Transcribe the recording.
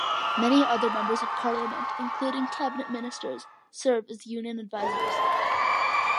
Many other Members of Parliament, including Cabinet ministers, serve as union advisors.